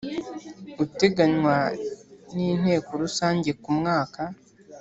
uteganywa n’Inteko Rusange ku mwaka